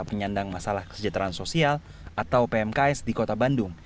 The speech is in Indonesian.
penyandang masalah kesejahteraan sosial atau pmks di kota bandung